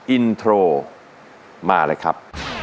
อินโทรมาเลยครับ